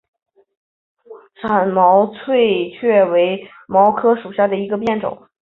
展毛翠雀花为毛茛科翠雀属下的一个变种。